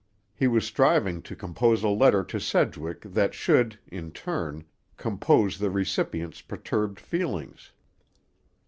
He was striving to compose a letter to Sedgwick that should, in turn, compose the recipient's perturbed feelings.